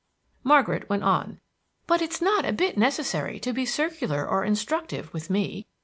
Margaret went on: "But it's not a bit necessary to be circular or instructive with me.